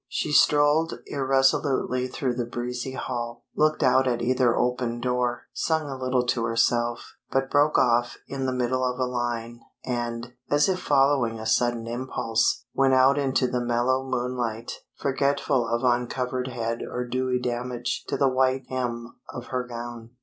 She strolled irresolutely through the breezy hall, looked out at either open door, sung a little to herself, but broke off in the middle of a line, and, as if following a sudden impulse, went out into the mellow moonlight, forgetful of uncovered head or dewy damage to the white hem of her gown.